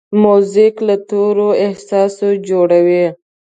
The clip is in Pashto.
موزیک له تورو احساس جوړوي.